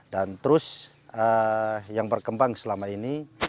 dan terus yang berkembang selama ini